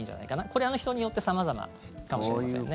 これ、人によって様々かもしれませんね。